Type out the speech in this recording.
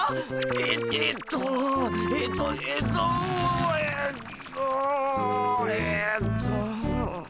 ええっとえっとえっとえっとえっと。